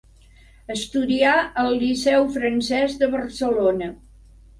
Estudià al Liceu francès de Barcelona.